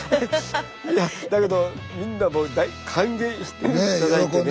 いやだけどみんなもう歓迎していただいてね。